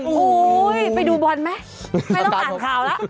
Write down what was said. อู้อยไปดูบอลมั้ยไม่ต้องการข่าวแล้ว